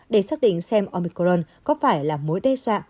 để xác định xem omicron có phải là mối đe dọa